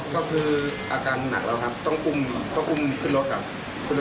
เจ้าหน้าที่ก็พี่ละโรงพยาบาลครับ